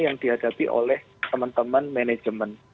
yang dihadapi oleh teman teman manajemen